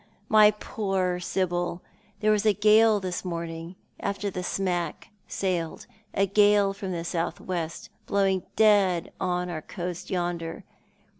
" My poor Sibyl ! There was a gale this morning, after the smack sailed — a gale from the south west, blowing dead on our coast yonder.